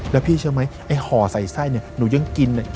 แล้วพี่เชื่อไหมไอ้ห่อใส่ไส้เนี่ยหนูยังกิน